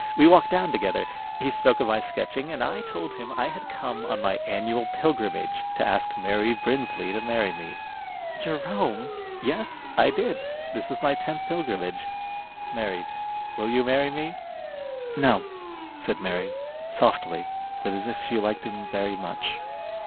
We walked down together. He spoke about my sketching, and I told him I had come on my annual pilgrimage, to ask Mary Brinsley to marry me." "Jerome!" "Yes, I did. This is my tenth pilgrimage. Mary, will you marry me?" "No," said Mary, softly, but as if she liked him very much.